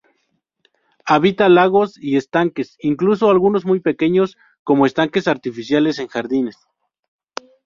Habita lagos y estanques, incluso algunos muy pequeños como estanques artificiales en jardines.